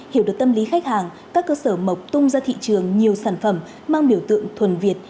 hiểu được tâm lý khách hàng các cơ sở mộc tung ra thị trường nhiều sản phẩm mang biểu tượng thuần việt